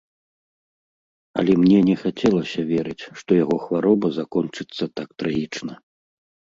Але мне не хацелася верыць, што яго хвароба закончыцца так трагічна.